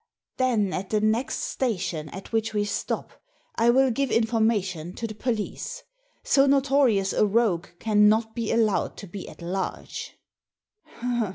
Then at the next station at which we stop I will give information to the police. So notorious a rogue cannot be allowed to be at large."